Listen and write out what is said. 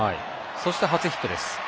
そして、初ヒットです。